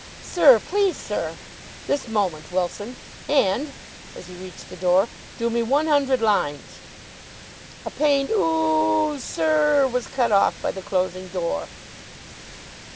"Sir, please, sir!" "This moment, Wilson. And," as he reached the door, "do me one hundred lines." A pained "OO oo oo, sir r r," was cut off by the closing door.